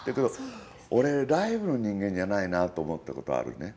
俺、ライブの人間じゃないなと思ったことあるね。